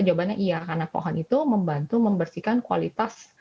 jawabannya iya karena pohon itu membantu membersihkan kualitas